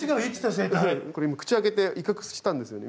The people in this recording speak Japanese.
これ口開けて威嚇したんですよね。